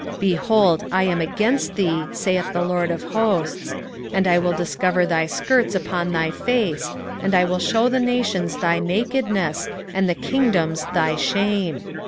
3:5 Behold, I am against thee, saith the LORD of hosts; and I will discover thy skirts upon thy face, and I will shew the nations thy nakedness, and the kingdoms thy shame.